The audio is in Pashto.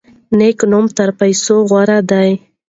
نیک نوم تر پیسو غوره دی.